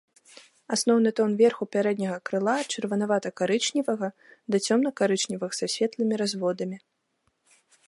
Асноўны тон верху пярэдняга крыла ад чырванавата-карычневага да цёмна-карычневага са светлымі разводамі.